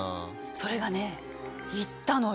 それがねいったのよ。